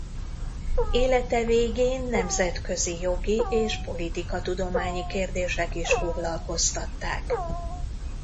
Élete végén nemzetközi jogi és politikatudományi kérdések is foglalkoztatták.